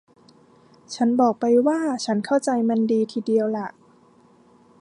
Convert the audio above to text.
ฉันบอกไปว่าฉันเข้าใจมันดีทีเดียวล่ะ